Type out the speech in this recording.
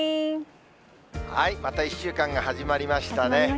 また１週間が始まりましたね。